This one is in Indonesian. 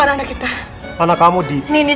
dan teratas saksi itu